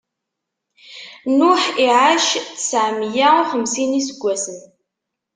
Nuḥ iɛac tseɛ meyya uxemsin n iseggasen.